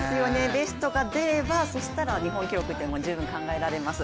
ベストが出ればそしたら日本記録っていうのも十分考えられます。